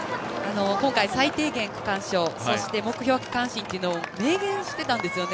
今回、最低限区間賞目標、区間新を明言していたんですよね。